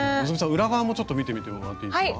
裏側もちょっと見てみてもらっていいですか？